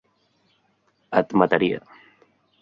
Et mataria.